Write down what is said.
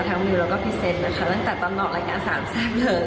ทั้งมิวแล้วก็พรีเซนต์นะคะตั้งแต่ตอนนอกรายการสามแซมเลย